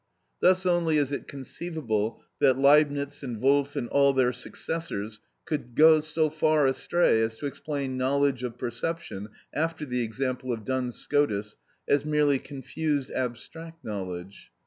Thus only is it conceivable that Leibnitz and Wolf and all their successors could go so far astray as to explain knowledge of perception, after the example of Duns Scotus, as merely confused abstract knowledge!